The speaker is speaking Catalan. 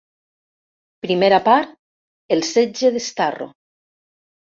Primera part", "El setge de Starro!